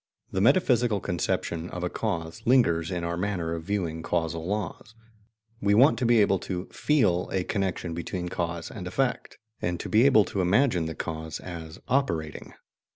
The metaphysical conception of a cause lingers in our manner of viewing causal laws: we want to be able to FEEL a connection between cause and effect, and to be able to imagine the cause as "operating."